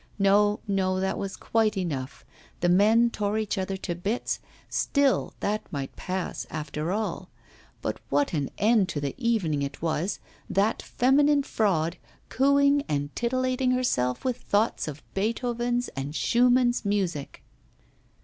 No, no, that was quite enough; the men tore each other to bits; still that might pass, after all; but what an end to the evening it was, that feminine fraud, cooing and titillating herself with thoughts of Beethoven's and Schumann's music!